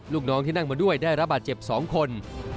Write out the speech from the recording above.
ลูกน้องที่นั่งมาด้วยได้รับบาดเจ็บ๒คน